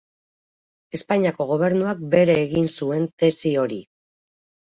Espainiako gobernuak bere egin zuen tesi hori.